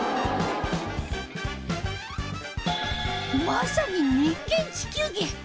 まさに人間地球儀。